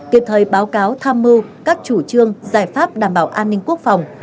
kịp thời báo cáo tham mưu các chủ trương giải pháp đảm bảo an ninh quốc phòng